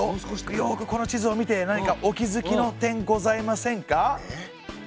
よくこの地図を見て何かお気づきの点ございませんか？